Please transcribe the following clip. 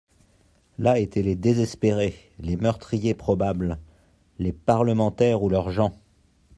Là étaient les désespérés, les meurtriers probables, les parlementaires ou leurs gens.